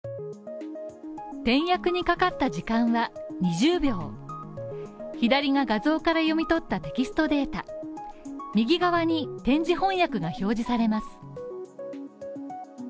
点訳にかかった時間は２０秒左が画像から読み取ったテキストデータ右側に点字翻訳が表示されます。